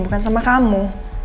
bukan sama kamu